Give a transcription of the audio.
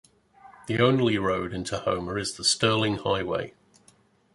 The only road into Homer is the Sterling Highway.